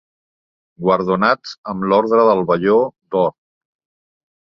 Guardonats amb l'Ordre del Velló d'Or.